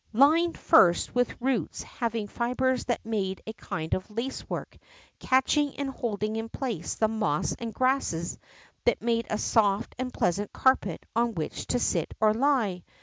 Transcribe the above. Lined first with roots having fibres that made a kind of lace work, catching and holding in place the moss and grasses that made a soft and pleasant carpet on Avhich to sit or lie.